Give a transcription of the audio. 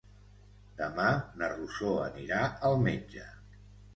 Demà na Rosó anirà al metge.